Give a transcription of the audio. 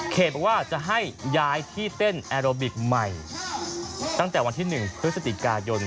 บอกว่าจะให้ย้ายที่เต้นแอโรบิกใหม่ตั้งแต่วันที่๑พฤศจิกายน